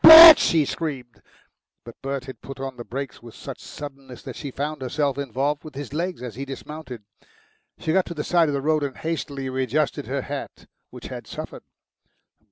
"Bert!" she screamed. But Bert had put on the brakes with such suddenness that she found herself involved with his leg as he dismounted. She got to the side of the road and hastily readjusted her hat, which had suffered.